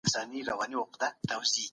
آيا د مطالعې نسل رامنځته سوی دی؟